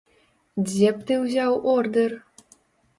Дзе б ты ўзяў ордэр?